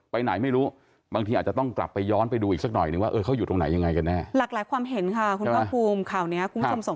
พาไปส่งบ้านท่าทางอย่าง